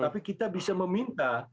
tapi kita bisa meminta